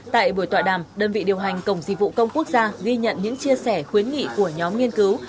tại buổi tọa đàm đơn vị điều hành cổng dịch vụ công quốc gia ghi nhận những chia sẻ khuyến nghị của nhóm nghiên cứu